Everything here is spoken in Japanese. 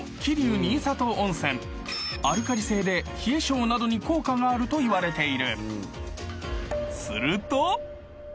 ［アルカリ性で冷え性などに効果があるといわれている］